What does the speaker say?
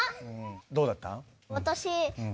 どうだった？